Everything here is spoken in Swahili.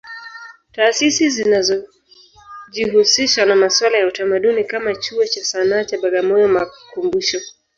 Taasisi zinazojihusisha na masuala ya utamaduni kama Chuo cha Sanaa cha Bagamoyo makumbusho